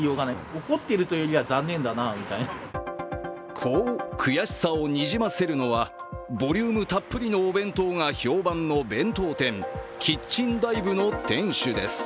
こう悔しさをにじませるのは、ボリュームたっぷりのお弁当が評判の弁当店・キッチンＤＩＶＥの店主です。